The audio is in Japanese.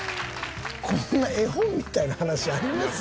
こんな絵本みたいな話あります？